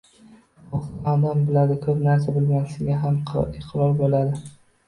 O‘qigan odam biladi, ko‘p narsa bilmasligiga ham iqror bo‘ladi.